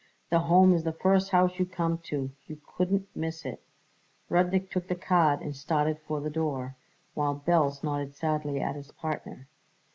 The Home is the first house you come to. You couldn't miss it." Rudnik took the card and started for the door, while Belz nodded sadly at his partner.